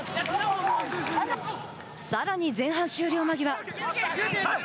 さらに前半終了間際。